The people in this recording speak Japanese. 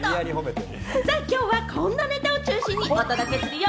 きょうは、こんなネタを中心にお届けするよ！